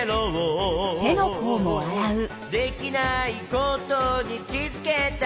「できないことにきづけたら！」